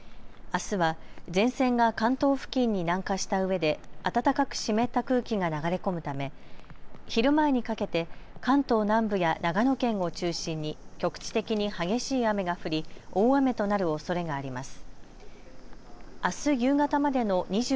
あすは前線が関東付近に南下したうえで暖かく湿った空気が流れ込むため昼前にかけて関東南部や長野県を中心に局地的に激しい雨が降り大雨となるおそれがあります。